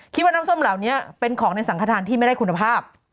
คิดว่าน้ำส้มเหล่านี้เป็นของในสังขทานที่ไม่ได้คุณภาพ